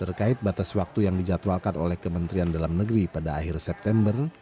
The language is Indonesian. terkait batas waktu yang dijadwalkan oleh kementerian dalam negeri pada akhir september